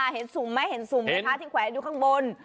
เห็นสุ่มไหมเห็นสุ่มท้าที่แขวดดูข้างบน